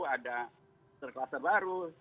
ada terkelase baru